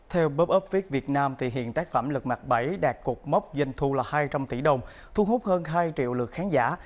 theo popupviet việt nam hiện tác phẩm lật mặt bảy đạt cuộc mốc doanh thu là hai trăm linh tỷ đồng thu hút hơn hai triệu lượt khán giả